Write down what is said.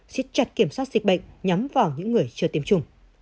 xích chặt kiểm soát dịch bệnh nhắm vào những người chưa tiêm chủng